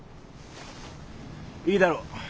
いいだろう。